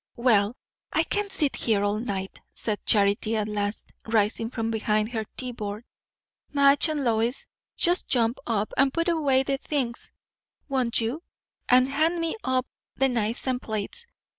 "Well, I can't sit here all night," said Charity at last, rising from behind her tea board. "Madge and Lois, just jump up and put away the things, won't you; and hand me up the knives and plates.